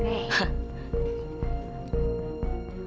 kamu bisa jadi siapapun bahasa kurang